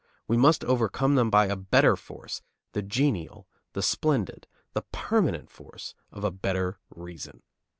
We must overcome them by a better force, the genial, the splendid, the permanent force of a better reason.